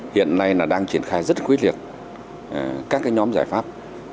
hiện nay là đang triển khai rất quyết liệt các nhóm giải pháp